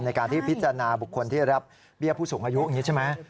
ในการที่พิจารณาบุคคลที่รับเบี้ยผู้สูงอายุอย่างนี้ใช่ไหม